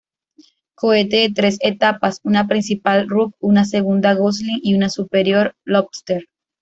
Cohete de tres etapas, una principal Rook, una segunda Gosling y una superior Lobster.